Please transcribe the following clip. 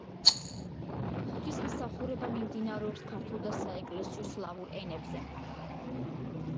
ღვთისმსახურება მიმდინარეობს ქართულ და საეკლესიო სლავურ ენებზე.